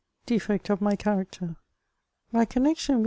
DEFECT OF MY CHASACTER. My connexion with M.